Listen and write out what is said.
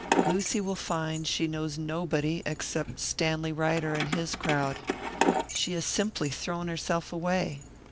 Lucy will find she knows nobody except Stanley Ryder and his crowd. She has simply thrown herself away."